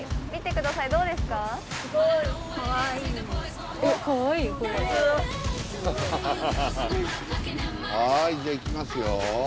すごいはいじゃあ行きますよ。